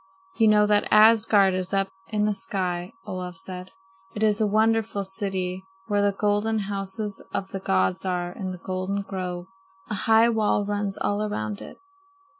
"You know that Asgard is up in the sky," Olaf said. "It is a wonderful city where the golden houses of the gods are in the golden grove. A high wall runs all around it.